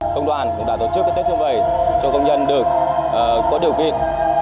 công đoàn đã tổ chức tết xuân vầy cho công nhân có điều kiện